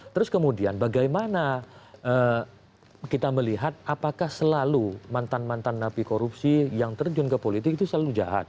terus kemudian bagaimana kita melihat apakah selalu mantan mantan napi korupsi yang terjun ke politik itu selalu jahat